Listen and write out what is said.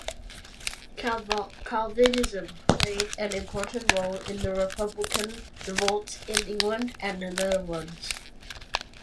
Calvinism played an important role in the republican revolts in England and the Netherlands.